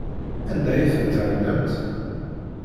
Anda ay ten-ternamt?